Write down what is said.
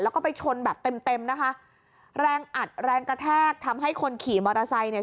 แล้วก็ไปชนแบบเต็มเต็มนะคะแรงอัดแรงกระแทกทำให้คนขี่มอเตอร์ไซค์เนี่ย